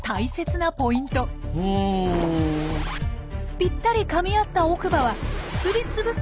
ぴったりかみ合った奥歯はすりつぶす